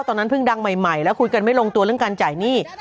ตอนนั้นเพิ่งดังใหม่แล้วคุยกันไม่ลงตัวเรื่องการจ่ายหนี้